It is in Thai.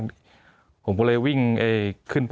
มีความรู้สึกว่ามีความรู้สึกว่า